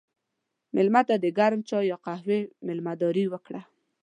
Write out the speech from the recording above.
مېلمه ته د ګرم چای یا قهوې میلمهداري وکړه.